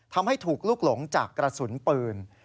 ทำให้ถูกลุกหลงจากกระสุนปืน